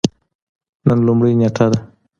نن لومړۍ نیټه ده